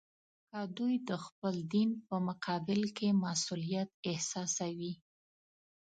که دوی د خپل دین په مقابل کې مسوولیت احساسوي.